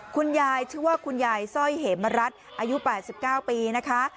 คุณยายชื่อว่าคุณยายสร้อยเหมรัฐอายุ๘๙ปีนะคะ